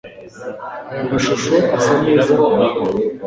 Aya mashusho asa neza kure.